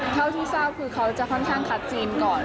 เท่าที่ทราบคือเขาจะค่อนข้างคัดซีนก่อน